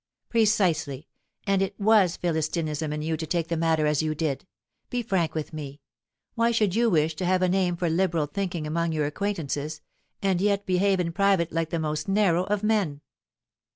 "Precisely. And it was Philistinism in you to take the matter as you did. Be frank with me. Why should you wish to have a name for liberal thinking among your acquaintances, and yet behave in private like the most narrow of men?"